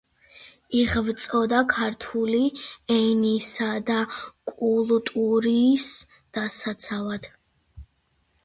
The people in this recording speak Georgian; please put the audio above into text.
იღვწოდა ქართული ენისა და კულტურის დასაცავად.